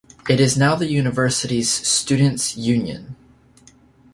It is now the university's Students' Union.